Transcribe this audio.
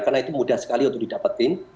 karena itu mudah sekali untuk didapatkan